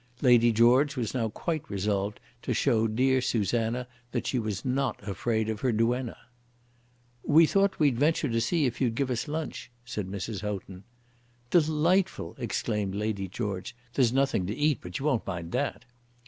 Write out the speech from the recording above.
Lady George was now quite resolved to show dear Susanna that she was not afraid of her duenna. "We thought we'd venture to see if you'd give us lunch," said Mrs. Houghton. "Delightful!" exclaimed Lady George. "There's nothing to eat; but you won't mind that."